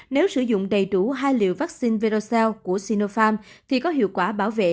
nếu sử dụng đầy đủ hai liệu vắc xin verocell của sinopharm thì có hiệu quả bảo vệ